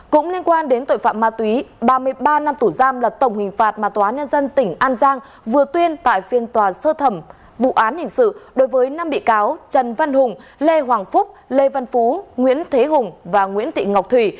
cũng liên quan đến tội phạm ma túy ba mươi ba năm tù giam là tổng hình phạt mà tòa án nhân dân tỉnh an giang vừa tuyên tại phiên tòa sơ thẩm vụ án hình sự đối với năm bị cáo trần văn hùng lê hoàng phúc lê văn phú nguyễn thế hùng và nguyễn thị ngọc thủy